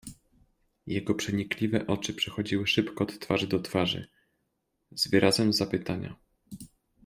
"Jego przenikliwe oczy przechodziły szybko od twarzy do twarzy, z wyrazem zapytania."